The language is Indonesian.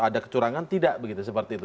ada kecurangan tidak begitu seperti itu